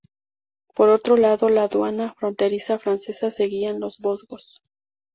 Por otro lado, la aduana fronteriza francesa seguía en los Vosgos.